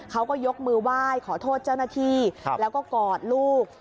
เขาก็ยกมือไหว้ขอโทษเจ้าหน้าที่แล้วก็กอดลูก